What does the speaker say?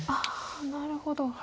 ああなるほど。